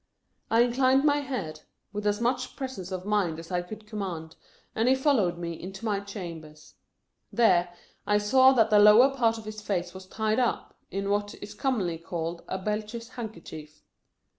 I inclined my head, with as much presence of mind as I could command, and he followed me into my chambers. There, I saw that the lower part of his face was tied up, in what is commonly called a Belcher handkerchief.